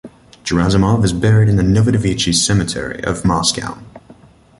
Gerasimov is buried in the Novodevichy Cemetery of Moscow.